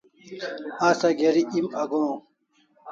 Asa geri em agohaw